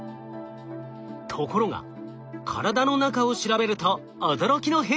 ところが体の中を調べると驚きの変化がありました。